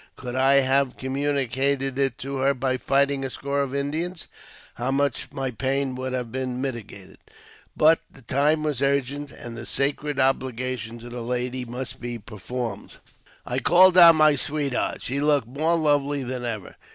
Could I have communicated it to her by fighting a score of Indians, how much my pain would have been mitigated ! But time was urgent, and the sacred obligation to the lady must be performed. I called on my sweetheart ; she looked more lovely than ever.